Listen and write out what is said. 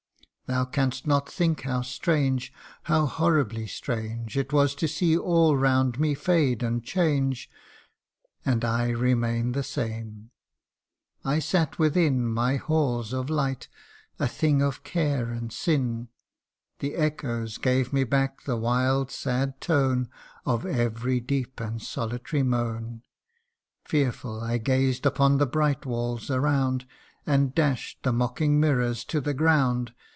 Thou canst not think how strange how horribly strange It was to see all round me fade and change, And I remain the same ! I sat within My halls of light, a thing of care and sin ; The echoes gave me back the wild sad tone Of every deep and solitary moan ; Fearful I gazed on the bright walls around, And dash'd the mocking mirrors to the ground.